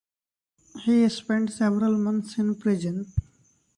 He spent several months in prison.